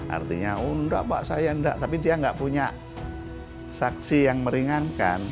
artinya oh enggak pak saya enggak tapi dia enggak punya saksi yang meringankan